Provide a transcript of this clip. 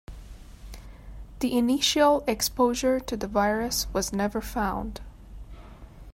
The initial exposure to the virus was never found.